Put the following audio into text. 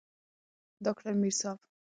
ډاکټر میر صاب جان کوچي د روسي زدکړو تجربه لري.